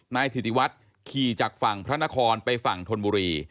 ถิติวัฒน์ขี่จากฝั่งพระนครไปฝั่งธนบุรี